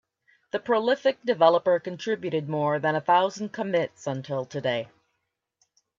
The prolific developer contributed more than a thousand commits until today.